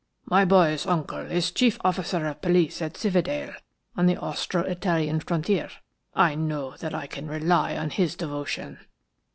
"My boy's uncle is chief officer of police at Cividale, on the Austro Italian frontier. I know that I can rely on his devotion.